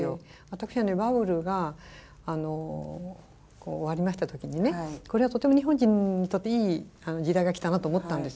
私はバブルが終わりました時にこれはとても日本人にとっていい時代が来たなと思ったんです。